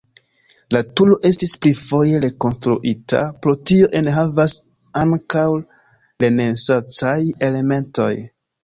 La turo estis pli foje rekonstruita, pro tio enhavas ankaŭ renesancaj elementoj.